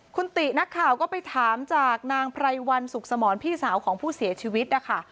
คุณตินักข่าวก็ไปถามจากนางไพรวันสุขสมรพี่สาวของผู้เสียชีวิตนะคะ